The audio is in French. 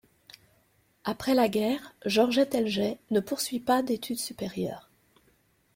Après la guerre, Georgette Elgey ne poursuit pas d'études supérieures.